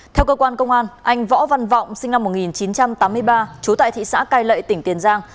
theo cơ quan công an anh võ văn vọng sinh năm một nghìn chín trăm tám mươi ba trú tại thị xã cai lệ tỉnh tiền giang